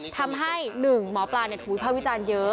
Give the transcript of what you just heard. ทำให้หนึ่งหมอปลาถูยภาพวิจารณ์เยอะ